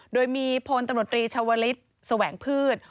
โดยมีพลตำรวจรีชาวลิศแสวงพืช